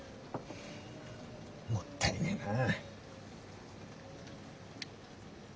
もったいねえなぁ。